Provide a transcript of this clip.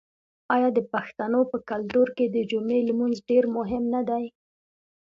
آیا د پښتنو په کلتور کې د جمعې لمونځ ډیر مهم نه دی؟